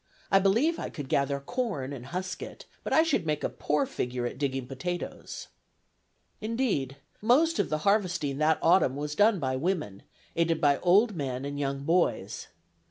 I believe I could gather corn, and husk it; but I should make a poor figure at digging potatoes." Indeed, most of the harvesting that autumn was done by women, aided by old men and young boys.